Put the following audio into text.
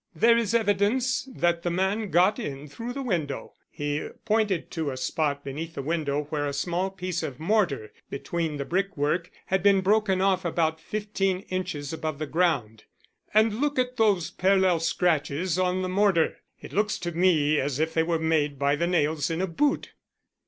"There is evidence that the man got in through the window." He pointed to a spot beneath the window where a small piece of mortar between the brickwork had been broken off about fifteen inches above the ground. "And look at those parallel scratches on the mortar. It looks to me as if they were made by the nails in a boot."